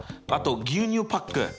あと牛乳パック。